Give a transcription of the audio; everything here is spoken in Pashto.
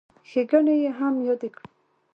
ښېګڼې یې هم یادې کړو.